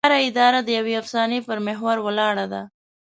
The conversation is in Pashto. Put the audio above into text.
هره اداره د یوې افسانې پر محور ولاړه ده.